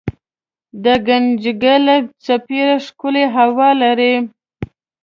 دګنجګل څپری ښکلې هوا لري